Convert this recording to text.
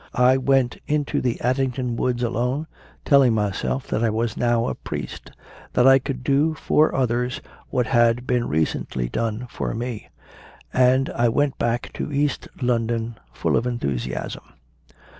I went into the Addington woods alone, telling myself that I was now a priest, that I could do for others what had been recently done for me; and I went back to East London full of enthusiasm.